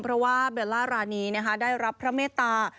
เพราะว่าเบลล่ารานีได้รับพระเมตตา